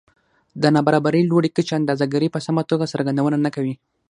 د نابرابرۍ لوړې کچې اندازه ګيرۍ په سمه توګه څرګندونه نه کوي